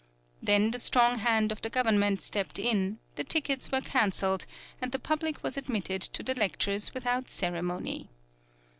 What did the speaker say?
Then the strong hand of the Government stepped in: the tickets were canceled, and the public was admitted to the lectures without ceremony.